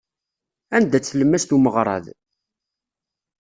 Anda-tt tlemmast umeɣrad?